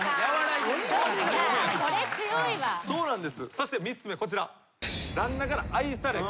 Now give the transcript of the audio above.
そして３つ目こちら。